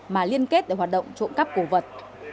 mà liên kết để hoạt động trộm cắp cổ vật